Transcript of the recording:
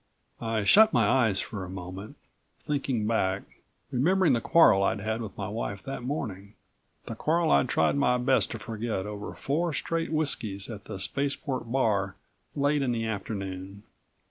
I shut my eyes for a moment, thinking back, remembering the quarrel I'd had with my wife that morning, the quarrel I'd tried my best to forget over four straight whiskies at the spaceport bar late in the afternoon.